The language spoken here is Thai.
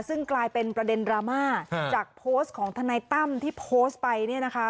ซึ่งกลายเป็นประเด็นดราม่าจากโพสต์ของทนายตั้มที่โพสต์ไปเนี่ยนะคะ